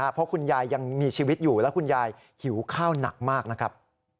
เพราะคุณยายยังมีชีวิตอยู่แล้วคุณยายหิวข้าวหนักมากนะครับ